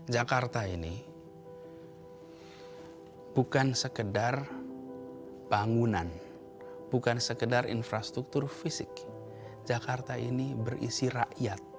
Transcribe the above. jakarta ini bukan sekedar bangunan bukan sekedar infrastruktur fisik jakarta ini berisi rakyat